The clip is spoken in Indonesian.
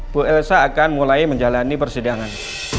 bu elsa akan mulai menjalani persidangan